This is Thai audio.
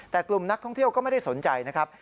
แต่กลุ่มนักท่องเที่ยวก็ไม่ได้สนใจนะครับ